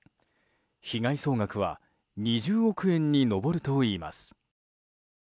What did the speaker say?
被害総額は２０億円に上るといいます。